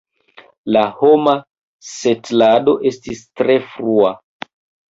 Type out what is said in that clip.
La homa setlado estis tre frua.